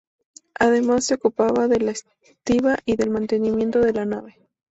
Además se ocupaba de la estiba y del mantenimiento de la nave.